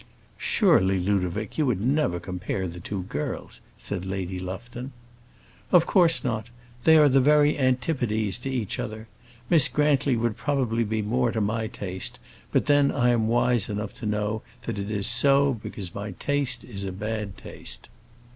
"Surely, Ludovic, you would never compare the two girls," said Lady Lufton. "Of course not. They are the very antipodes to each other. Miss Grantly would probably be more to my taste; but then I am wise enough to know that it is so because my taste is a bad taste."